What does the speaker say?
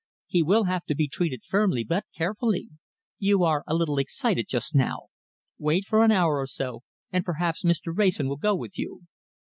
He will have to be treated firmly but carefully. You are a little excited just now. Wait for an hour or so, and perhaps Mr. Wrayson will go with you."